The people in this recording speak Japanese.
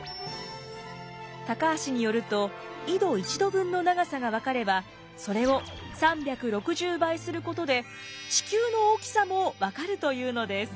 高橋によると緯度１度分の長さが分かればそれを３６０倍することで地球の大きさも分かるというのです。